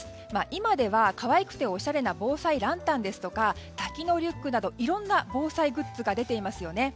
今では、可愛くておしゃれな防災ランタンや多機能リュックなどいろいろな防災グッズが出ていますよね。